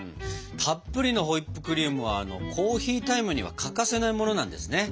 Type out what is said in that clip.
たっぷりのホイップクリームはコーヒータイムには欠かせないものなんですね。